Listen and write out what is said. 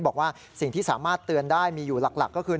บอกว่าสิ่งที่สามารถเตือนได้มีอยู่หลักก็คือ